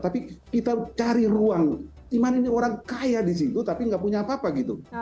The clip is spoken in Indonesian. tapi kita cari ruang dimana ini orang kaya di situ tapi nggak punya apa apa gitu